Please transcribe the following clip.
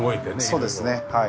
そうですねはい。